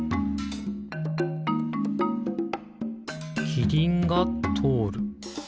キリンがとおる。